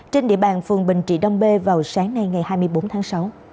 trên địa bàn phường bình trị đông bê vào sáng nay ngày hai mươi bốn tháng sáu